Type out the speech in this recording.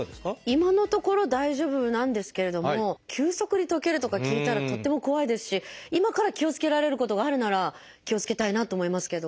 今のところ大丈夫なんですけれども急速に溶けるとか聞いたらとっても怖いですし今から気をつけられることがあるなら気をつけたいなと思いますけど。